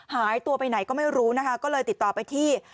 หายตัวไปไหนก็ไม่รู้นะคะก็เลยติดต่อไปที่